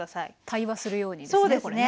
対話するようにですねこれね。